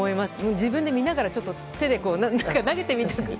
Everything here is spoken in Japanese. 自分で見ながら手で投げてみたくなる。